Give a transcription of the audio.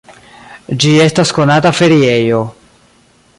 Ĝi estas konata feriejo.